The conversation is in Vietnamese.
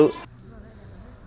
vào những ngày cao điểm